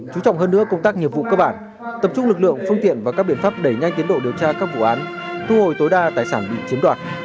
chú trọng hơn nữa công tác nghiệp vụ cơ bản tập trung lực lượng phương tiện và các biện pháp đẩy nhanh tiến độ điều tra các vụ án thu hồi tối đa tài sản bị chiếm đoạt